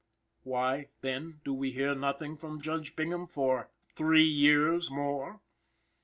Why, then, do we hear nothing from Judge Bingham for three years more?